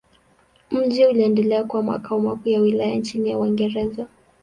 Mji uliendelea kuwa makao makuu ya wilaya chini ya Waingereza.